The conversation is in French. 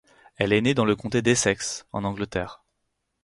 Elle est née dans le comté d'Essex, en Angleterre.